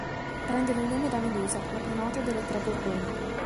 Prendono il nome da Medusa, la più nota delle tre gorgoni.